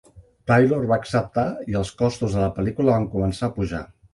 Taylor va acceptar, i els costos de la pel·lícula van començar a pujar.